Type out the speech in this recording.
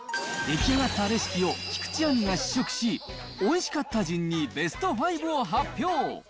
出来上がったレシピを菊地亜美が試食し、おいしかった順にベスト５を発表。